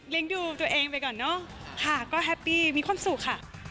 ดูตัวเองไปก่อนเนอะค่ะก็แฮปปี้มีความสุขค่ะ